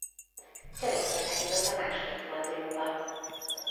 Törökország jutott a második fordulóba.